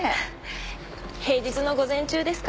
平日の午前中ですから。